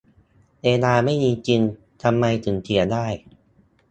เวลาไม่มีจริง ทำไมถึงเสียได้